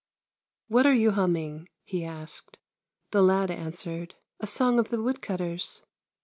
" What are you humming? " he asked. The lad answered :" A song of the woodcutters."